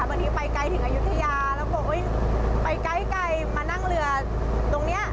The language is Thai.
บางทีไปไกลถึงอายุทยาแล้วบอกไปไกลมานั่งเรือตรงนี้